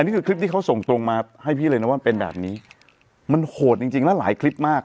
นี่คือคลิปที่เขาส่งตรงมาให้พี่เลยนะว่ามันเป็นแบบนี้มันโหดจริงจริงแล้วหลายคลิปมาก